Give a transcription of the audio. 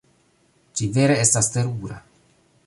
Ĝi vere estas terura.